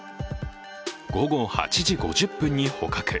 午後８時５０分に捕獲。